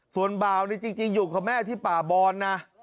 ส่วนบ่าวนี่จริงอยู่กับแม่ที่ป่าบอนนะ